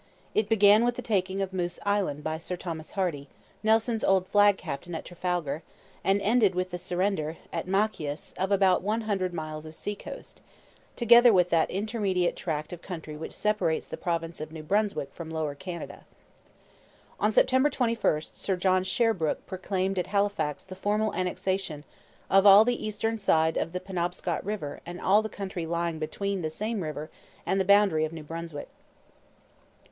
It began with the taking of Moose Island by Sir Thomas Hardy, Nelson's old flag captain at Trafalgar, and ended with the surrender, at Machias, of 'about 100 miles of sea coast,' together with 'that intermediate tract of country which separates the province of New Brunswick from Lower Canada.' On September 21 Sir John Sherbrooke proclaimed at Halifax the formal annexation of 'all the eastern side of the Penobscot river and all the country lying between the same river and the boundary of New Brunswick.'